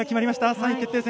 ３位決定戦。